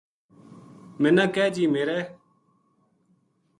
منا کہہ جی میرے